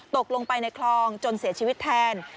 ตกลงไปในคลองจนเสียชีวิตแทน